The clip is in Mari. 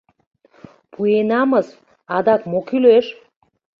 Пуэнамыс, адак мо кӱлеш?